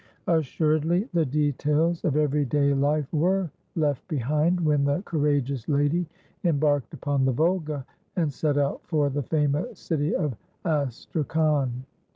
Assuredly, the details of every day life were left behind when the courageous lady embarked upon the Volga, and set out for the famous city of Astrakhan.